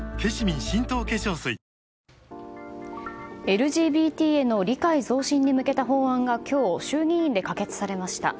ＬＧＢＴへの理解増進に向けた法案が今日、衆議院で可決されました。